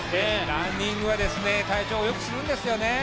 ランニングは体調をよくするんですよね。